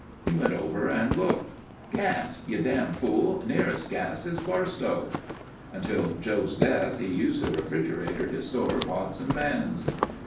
He went over and looked. "Gas. You dam' fool. Nearest gas is Barstow." Until Joe's death he used the refrigerator to store pots and pans.